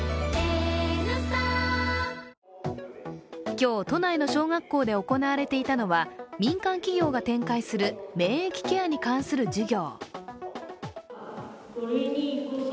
今日、都内の小学校で行われていたのは民間企業が展開する免疫ケアに関する授業。